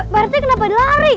barte kenapa lari